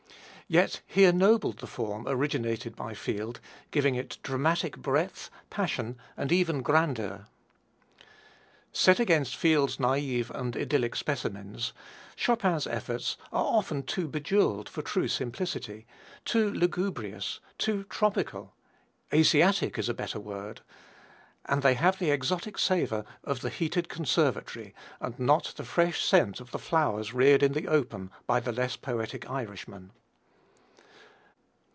Yet he ennobled the form originated by Field, giving it dramatic breadth, passion and even grandeur. Set against Field's naive and idyllic specimens, Chopin's efforts are often too bejewelled for true simplicity, too lugubrious, too tropical Asiatic is a better word and they have the exotic savor of the heated conservatory, and not the fresh scent of the flowers reared in the open by the less poetic Irishman.